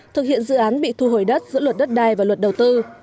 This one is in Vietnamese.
thực hiện dự án bị thu hồi đất giữa luật đất đai và luật đầu tư